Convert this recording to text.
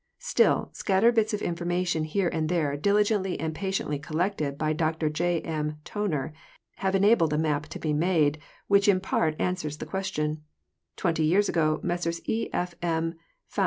Still, scattered bits of information here and there, diligently and patiently collected by Dr J. M. Toner, have enabled a map to be made which in part answers the question. Twenty years ago Messrs E. F. M.